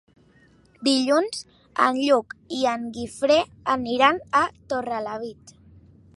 Dilluns en Lluc i en Guifré aniran a Torrelavit.